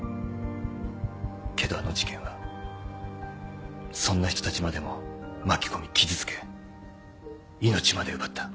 けどあの事件はそんな人たちまでも巻き込み傷つけ命まで奪った。